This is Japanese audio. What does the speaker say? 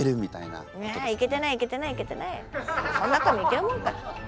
そんな紙イケるもんか。